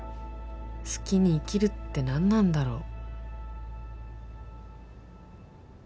好きに生きるって何なんだろう